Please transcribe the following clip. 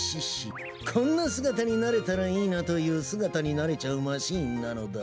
こんなすがたになれたらいいなというすがたになれちゃうマシーンなのだ。